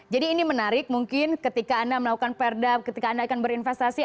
jadi ini menarik mungkin ketika anda melakukan perda ketika anda akan berinvestasi